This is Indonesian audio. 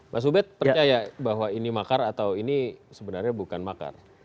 mas ubed percaya bahwa ini makar atau ini sebenarnya bukan makar